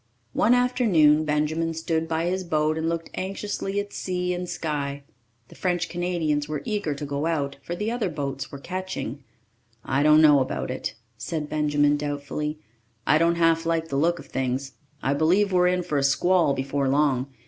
One afternoon Benjamin stood by his boat and looked anxiously at sea and sky. The French Canadians were eager to go out, for the other boats were catching. "I don't know about it," said Benjamin doubtfully. "I don't half like the look of things. I believe we're in for a squall before long.